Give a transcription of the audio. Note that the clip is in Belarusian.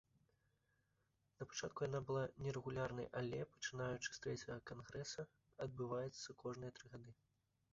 Напачатку яна была нерэгулярнай, але, пачынаючы з трэцяга кангрэса, адбываецца кожныя тры гады.